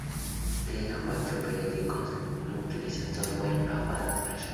Tres de cada cuatro periódicos del mundo utilizan software de Agfa Graphics.